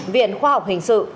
viện khoa học hình sự